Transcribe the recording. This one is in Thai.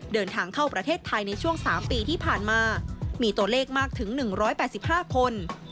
เดินทางเข้าประเทศไทยในช่วง๓ปีที่ผ่านมามีตัวเลขมากถึง๑๘๕คน